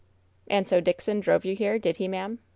"And so Dickson drove you here, did he, ma'am?"